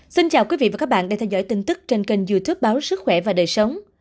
xin chào quý vị và các bạn đang theo dõi tin tức trên kênh youtube báo sức khỏe và đời sống